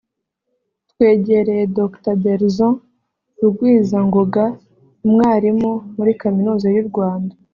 twegereye Dr Belson Rugwizangoga umwarimu muri Kaminuza y’u Rwanda